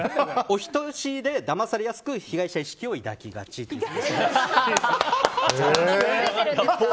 お人好しで、だまされやすく被害者意識を抱きがちという。